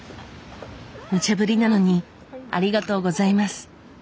無茶ぶりなのにありがとうございます。